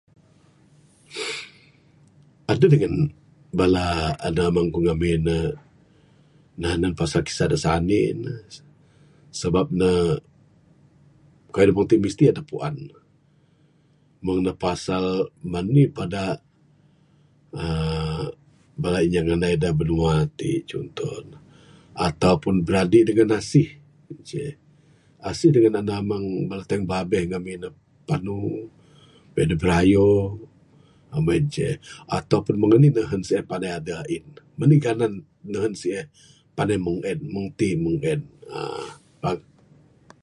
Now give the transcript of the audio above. Adeh dengan bala ande amang ku ngemin ne nanen pasal kisah dak sanik ne, sabab ne keyuh dak mung siti mesti dep puan mung ne pasal menih pada uhh bala inya ngendai dak binua ti contoh ne. Ataupun biradik dengan asih ceh asih genan bala amang teyung babeh ne panu birayo mung en ceh. Ataupun mung nih nehen ceh pandai deh in mung nih genan nehen mun en pandai mun en mung ti mung en uhh.